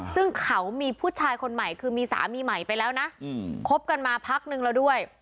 ซึ่งเขามีผู้ชายคนใหม่คือมีสามีใหม่ไปแล้วนะคบกันมาพักนึงแล้วด้วย